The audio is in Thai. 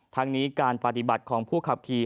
ทั้งนี้การปฏิบัติของผู้ขับขี่